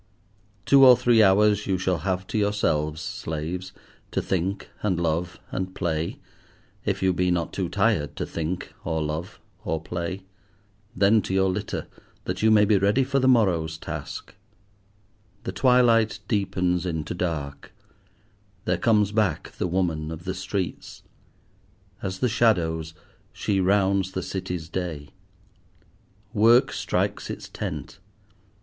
Two or three hours you shall have to yourselves, slaves, to think and love and play, if you be not too tired to think, or love, or play. Then to your litter, that you may be ready for the morrow's task. The twilight deepens into dark; there comes back the woman of the streets. As the shadows, she rounds the City's day. Work strikes its tent.